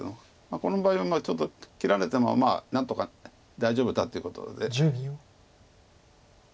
この場合はちょっと切られてもまあ何とか大丈夫だってことで。